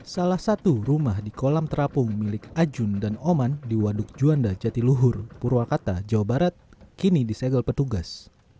salah satu rumah di kolam terapung milik ajun dan oman di waduk juanda jatiluhur purwakarta jawa barat kini disegel petugas